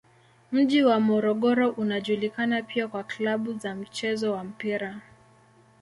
Mji wa Morogoro unajulikana pia kwa klabu za mchezo wa mpira.